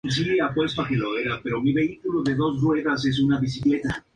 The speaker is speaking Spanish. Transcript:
Se descubrió allí una inscripción sobre la muerte de Junius Marinus en aquel combate.